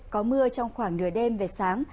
có mưa trong khoảng nửa đêm về sáng